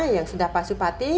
yang sudah pasupati